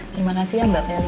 terima kasih ya mbak feli